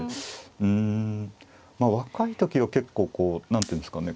うんまあ若い時は結構こう何ていうんですかね